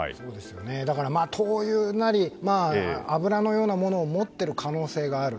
灯油なり、油のようなものを持っている可能性がある。